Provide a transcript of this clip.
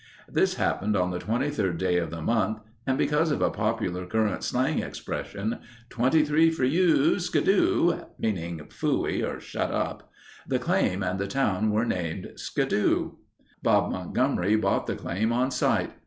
This happened on the 23rd day of the month and because of a popular current slang expression, "Twenty three for you—skidoo," (meaning phooey, or shut up) the claim and the town were named Skidoo. Bob Montgomery bought the claim on sight.